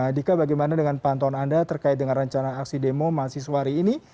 mardika bagaimana dengan pantauan anda terkait dengan rencana aksi demo mahasiswari ini